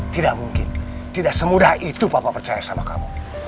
tidak mungkin tidak semudah itu bapak percaya sama kamu